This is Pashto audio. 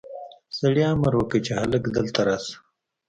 سړي امر وکړ چې هلک دلته راشه.